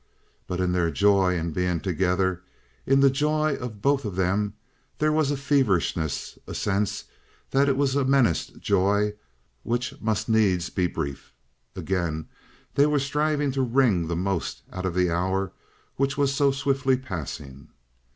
But in their joy in being together, in the joy of both of them, there was a feverishness, a sense that it was a menaced joy which must needs be brief. Again they were striving to wring the most out of the hour which was so swiftly passing.